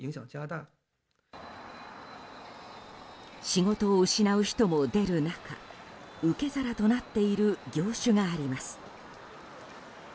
仕事を失う人も出る中受け皿となっている業種があります。